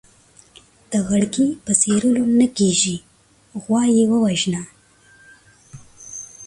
د غړکي په څيرلو نه کېږي ، غوا يې ووژنه.